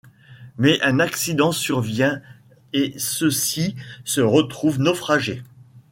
Mais un accident survient et ceux-ci se retrouvent naufragés.